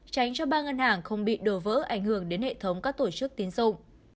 tránh cho ba ngân hàng không bị đổ vỡ ảnh hưởng đến hệ thống các tổ chức tiến dụng